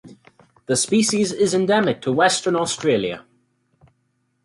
The species is endemic to Western Australia.